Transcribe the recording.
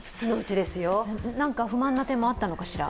何か不満な点もあったのかしら？